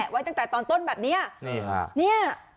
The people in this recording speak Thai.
ไว้ตั้งแต่ตอนต้นแบบนี้